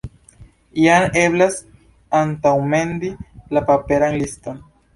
Jam eblas antaŭmendi la paperan liston.